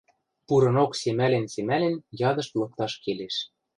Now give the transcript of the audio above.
Пурынок семӓлен-семӓлен ядышт лыкташ келеш.